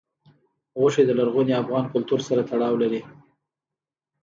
غوښې د لرغوني افغان کلتور سره تړاو لري.